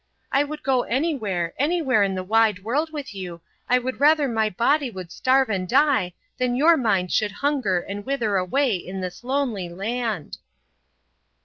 I would go anywhere, anywhere in the wide world with you. I would rather my body would starve and die than your mind should hunger and wither away in this lonely land."